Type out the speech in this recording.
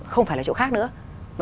không phải là chỗ khác nữa